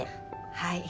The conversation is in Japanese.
はい。